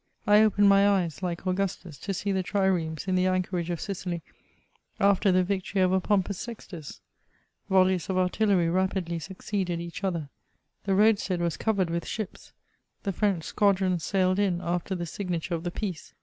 I opened my eyes, Uke Augustus, to see the Triremes in the anchorage of Sicily, after the victory over Pompus Sextus; volleys of artillery rapidly succeeded each other ; the roadstead was covered with ships ; the French squadron sailed in after the signature of the peace.